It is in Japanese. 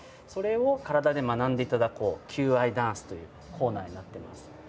それを体で学んで頂こう求愛ダンスというコーナーになっています。